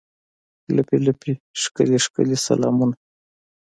لپې، لپې ښکلي، ښکلي سلامونه